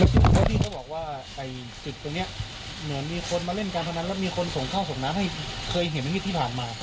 เพราะพี่เขาบอกว่าจุดตรงนี้เหมือนมีคนมาเล่นการพนันแล้วมีคนส่งข้าวส่งน้ำให้เคยเห็นเมื่อกี้ที่ผ่านมา